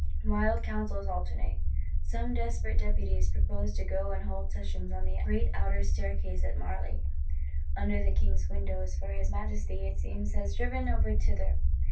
Wild counsels alternate. Some desperate Deputies propose to go and hold session on the great outer Staircase at Marly, under the King's windows; for his Majesty, it seems, has driven over thither.